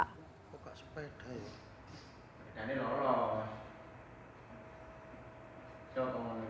bukan sepeda ya